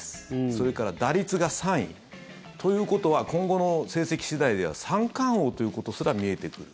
それから打率が３位。ということは今後の成績次第では三冠王ということすら見えてくる。